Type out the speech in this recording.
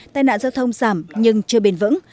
tai nạn giao thông giảm nhưng chưa bền vững